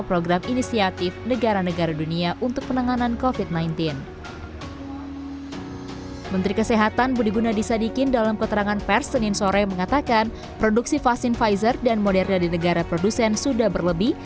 produksi vaksin pfizer dan moderna di negara produsen sudah berlebih